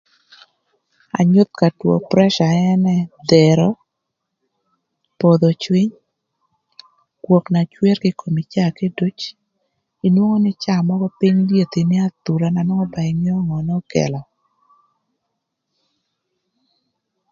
Anyuth ka two preca ënë dhero, podho cwiny, kwok na cwer kï komi caa kiduc. Inwongo nï caa mökö pïny lyethni athura na nwongo ba ingeo ngö n'okelo.